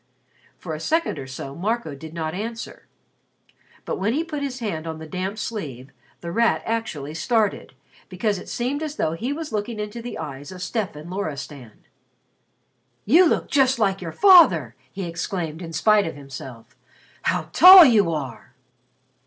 For a second or so Marco did not answer. But when he put his hand on the damp sleeve, The Rat actually started, because it seemed as though he were looking into the eyes of Stefan Loristan. "You look just like your father!" he exclaimed, in spite of himself. "How tall you are!"